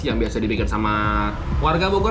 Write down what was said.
yang biasa dibikin sama warga bogor